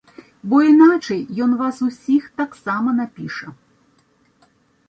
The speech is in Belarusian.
Бо іначай ён вас усіх таксама напіша.